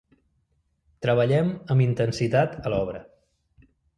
Treballem amb intensitat a l'obra.